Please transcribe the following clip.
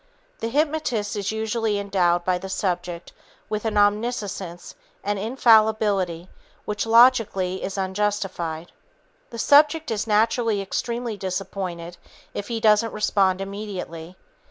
The hypnotist is usually endowed by the subject with an omniscience and infallibility which logically is unjustified. The subject is naturally extremely disappointed if he doesn't respond immediately.